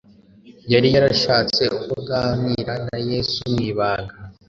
yari yarashatse uko aganira na Yesu mu ibanga.